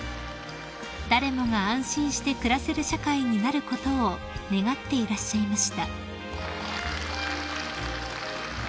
［誰もが安心して暮らせる社会になることを願っていらっしゃいました］